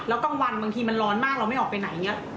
แล้วกลางวันบางทีมันร้อนมากเราไม่ออกไปไหนอย่างนี้